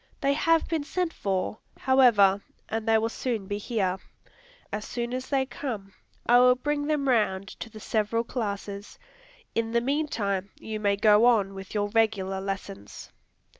They have been sent for, however, and they will soon be here. As soon as they come, I will bring them round to the several classes. In the meantime, you may go on with your regular lessons."